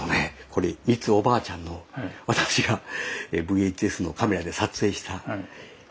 これみつおばあちゃんの私がＶＨＳのカメラで撮影した１９８０年の。